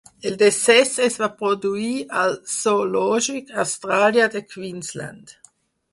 El decés es va produir al zoològic australià de Queensland.